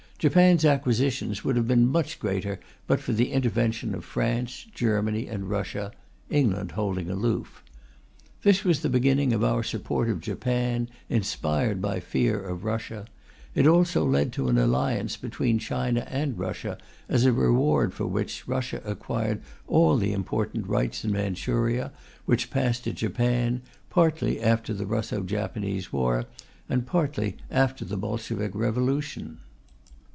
Japan's acquisitions would have been much greater but for the intervention of France, Germany and Russia, England holding aloof. This was the beginning of our support of Japan, inspired by fear of Russia. It also led to an alliance between China and Russia, as a reward for which Russia acquired all the important rights in Manchuria, which passed to Japan, partly after the Russo Japanese war, and partly after the Bolshevik revolution.